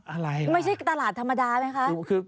อะไรไม่ใช่ตลาดธรรมดาไหมคะ